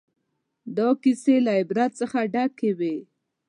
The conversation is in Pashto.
دا کیسې له عبرت څخه ډکې وې.